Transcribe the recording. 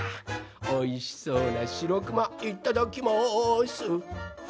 おいしそうなしろくまいただきます！